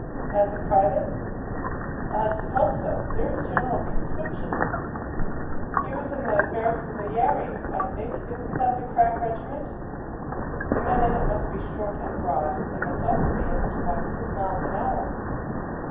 "As a private?" "I suppose so. There is general conscription. He was in the Bersaglieri, I think. Isn't that the crack regiment?" "The men in it must be short and broad. They must also be able to walk six miles an hour."